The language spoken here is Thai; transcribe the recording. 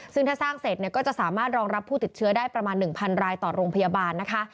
ซึ่งถ้าสร้างเสร็จเนี่ยก็จะสามารถรองรับผู้ติดเชื้อได้ประมาณ๑๐๐รายต่อโรงพยาบาลนะคะ